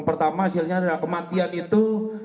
pertama hasilnya adalah kematian itu